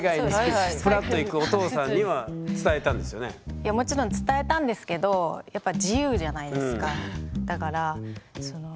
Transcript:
いやもちろん伝えたんですけどやっぱわけですよ。